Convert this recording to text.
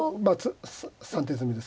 ３手詰みですから。